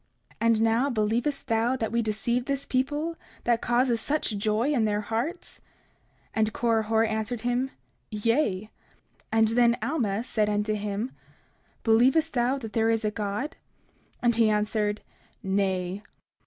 And now, believest thou that we deceive this people, that causes such joy in their hearts? 30:36 And Korihor answered him, Yea. 30:37 And then Alma said unto him: Believest thou that there is a God? 30:38 And he answered, Nay.